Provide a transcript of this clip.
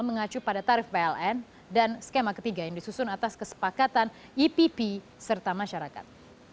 mengacu pada tarif pln dan skema ketiga yang disusun atas kesepakatan ipp serta masyarakat